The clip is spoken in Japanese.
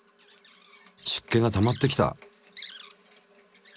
しっけがたまってきた。